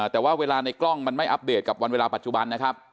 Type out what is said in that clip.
แต่ว่าเวลาในกล้องมันไม่อัปเดตกับวันเวลาปัจจุบันนะครับ